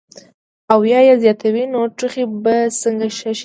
او يا ئې زياتوي نو ټوخی به څنګ ښۀ شي -